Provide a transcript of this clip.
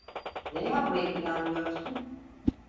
Ne yapmayı planlıyorsun?